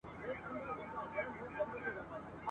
دا هغه زلمی امام دی چي الله را پېرزو کړی ..